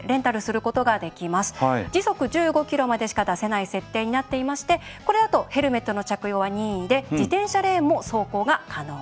時速１５キロまでしか出せない設定になっていましてこれだとヘルメットの着用は任意で自転車レーンも走行が可能です。